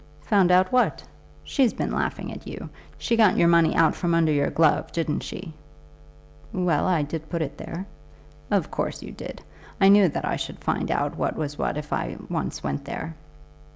"Found out what?" "She's been laughing at you. She got your money out from under your glove, didn't she?" "Well, I did put it there." "Of course you did. I knew that I should find out what was what if I once went there.